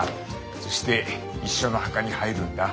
そして一緒の墓に入るんだ。